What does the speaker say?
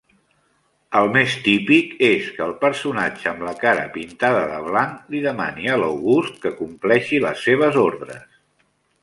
El més típic és que el personatge amb la cara pintada de blanc li demani a l'Auguste que compleixi les seves ordres.